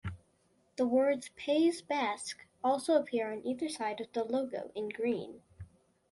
The words Pays Basque also appear on either side of the logo in green.